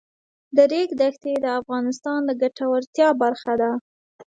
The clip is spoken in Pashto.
د ریګ دښتې د افغانانو د ګټورتیا برخه ده.